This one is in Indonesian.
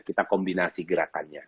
kita kombinasi gerakannya